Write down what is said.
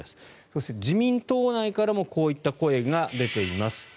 そして、自民党内からもこういった声が出ています。